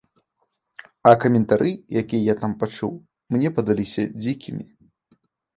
А каментары, якія я там пачуў, мне падаліся дзікімі.